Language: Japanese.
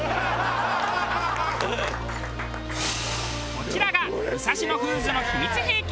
こちらが武蔵野フーズの秘密兵器。